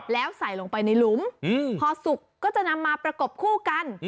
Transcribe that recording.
แล้วใส่ลงไปในหลุมพอสุกก็จะนำมาประกบคู่กัน